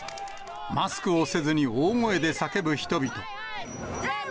マスクをせずに大声で叫ぶ人々。